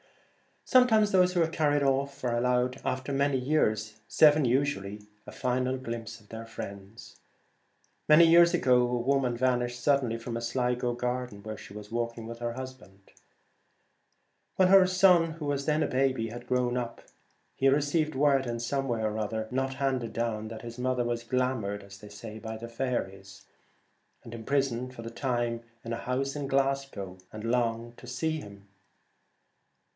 Sometimes those who are carried off are allowed after many years — seven usually — a final glimpse of their friends. Many years ago a woman vanished suddenly from a Sligo garden where she was walk ing with her husband. When her son, who was then a baby, had grown up he received word in some way, not handed down, that his mother was glamoured by faeries, and imprisoned for the time in a house in Glasgow and longing to see him.